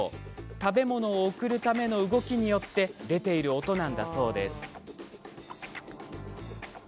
食べ物を送るための動きによって出ている音なんだそうです。